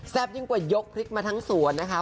ยิ่งกว่ายกพริกมาทั้งสวนนะคะ